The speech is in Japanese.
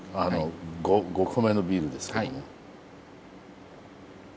５個目のビールですけども。